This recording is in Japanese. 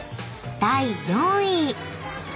第４位］